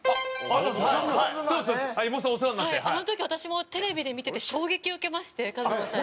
あの時、私もテレビで見てて衝撃を受けましてＫＡＺＭＡさんに。